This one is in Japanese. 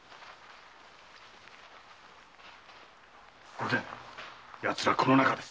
御前ヤツらはこの中です。